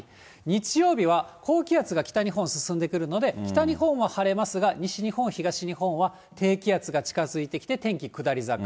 日曜日は、高気圧が北日本進んでくるので、北日本は晴れますが、西日本、東日本は低気圧が近づいてきて、天気下り坂。